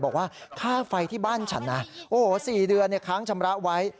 บอกว่าค่าไฟที่บ้านฉันนะโอ้โห๔เดือนค้างชำระไว้